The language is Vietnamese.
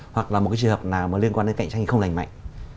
hoặc là một cái trường hợp nào mà liên quan đến cạnh tranh không lành mạnh